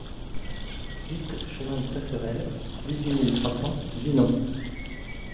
huit chemin des Passerelles, dix-huit mille trois cents Vinon